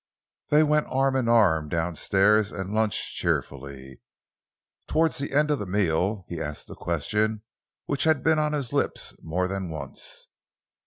They went arm in arm down stairs and lunched cheerfully. Towards the end of the meal, he asked the question which had been on his lips more than once.